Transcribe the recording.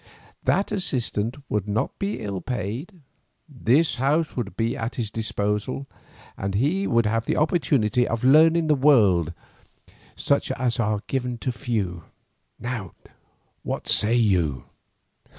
That assistant would not be ill paid; this house would be at his disposal, and he would have opportunities of learning the world such as are given to few. What say you?"